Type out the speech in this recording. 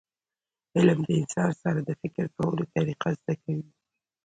علم د انسان سره د فکر کولو طریقه زده کوي.